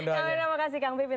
terima kasih kang pipin